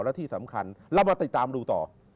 และที่สำคัญเรามาติดตามดูต่อ